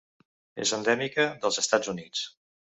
És endèmica dels Estats Units.